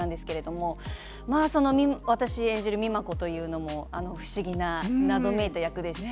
私が演じる美摩子というのは不思議な謎めいた役です。